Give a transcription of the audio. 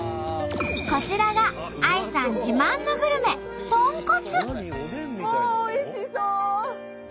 こちらがＡＩさん自慢のグルメもうおいしそう！